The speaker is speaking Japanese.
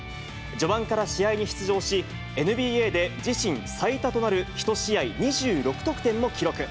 序盤から試合に出場し、ＮＢＡで自身最多となる１試合２６得点を記録。